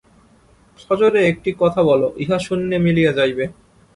সজোরে একটি কথা বল, ইহা শূন্যে মিলাইয়া যাইবে।